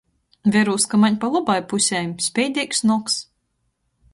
Verūs, ka maņ pa lobai pusei — speideigs nogs.